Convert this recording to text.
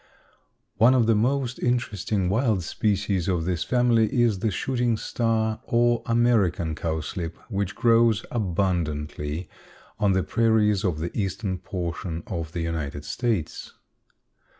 One of the most interesting wild species of this family is the shooting star or American cowslip, which grows abundantly on the prairies of the Eastern portion of the United States.